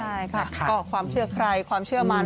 ใช่ค่ะก็ความเชื่อใครความเชื่อมัน